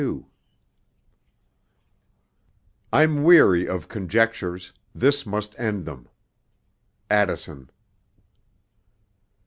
XXII I'm weary of conjectures this must end them. ADDISON.